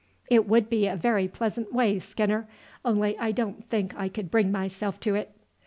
"It would be a very pleasant way, Skinner, only I don't think I could bring myself to it."